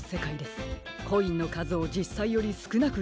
コインのかずをじっさいよりすくなくいっていたのでしょう。